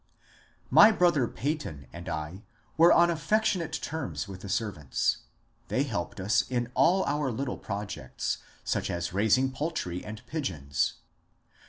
My brother Peyton and I were on affectionate terms with the servants. They helped us in all our little projects, — such as raising poultry and pigeons.